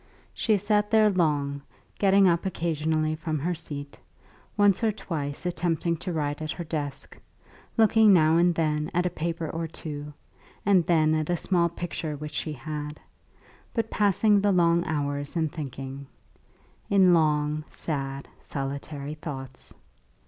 She sat there long, getting up occasionally from her seat, once or twice attempting to write at her desk, looking now and then at a paper or two, and then at a small picture which she had, but passing the long hours in thinking, in long, sad, solitary thoughts.